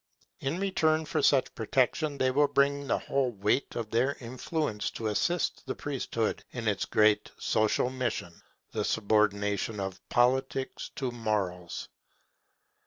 In return for such protection they will bring the whole weight of their influence to assist the priesthood in its great social mission, the subordination of Politics to Morals.